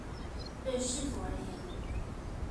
對市府而言